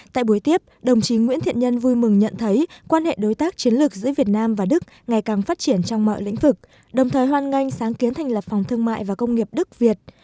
tại buổi tiếp đồng chí nguyễn thiện nhân vui mừng nhận thấy quan hệ đối tác chiến lược giữa việt nam và đức ngày càng phát triển trong mọi lĩnh vực đồng thời hoan nghênh sáng kiến thành lập phòng thương mại và công nghiệp đức việt